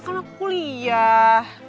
karena aku kuliah